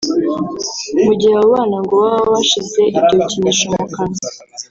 Mu gihe abo bana ngo baba bashize ibyo bikinisho mu kanwa